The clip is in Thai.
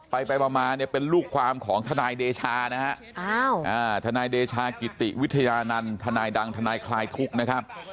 ไปมาเนี่ยเป็นลูกความของทนายเดชานะฮะทนายเดชากิติวิทยานันต์ทนายดังทนายคลายทุกข์นะครับ